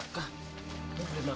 nggak dibungkus semuanya